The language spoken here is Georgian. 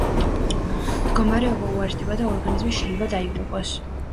მდგომარეობა უარესდება და ორგანიზმი შეიძლება დაიღუპოს.